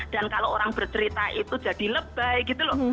dan kalau orang bercerita itu jadi lebay gitu loh